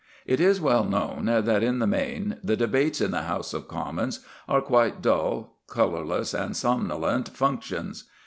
It is well known that, in the main, the debates in the House of Commons are quite dull, colourless, and somnolent functions.